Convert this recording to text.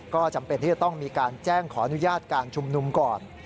ก็จำเป็นที่จะต้องมีการแจ้งขออนุญาตการชุมนุมก่อน